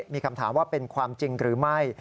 มีคำถามว่าเป็นความจริงหรือไม่